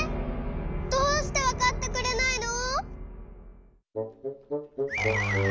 どうしてわかってくれないの！？